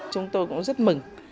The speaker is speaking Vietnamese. chúng tôi cũng rất mừng